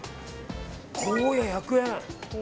ゴーヤ、１００円。